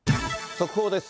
速報です。